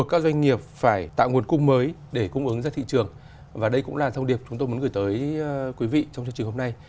chúng tôi muốn gửi tới quý vị trong chương trình hôm nay